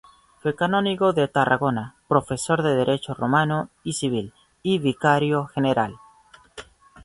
Fue canónigo de Tarragona, profesor de Derecho Romano y Civil y vicario general.